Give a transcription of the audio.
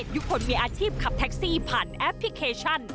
ยุพลมีอาชีพขับแท็กซี่ผ่านแอปพลิเคชัน